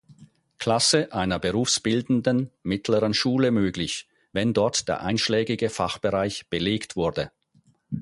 Klasse einer berufsbildenden mittleren Schule möglich, wenn dort der einschlägige Fachbereich belegt wurde.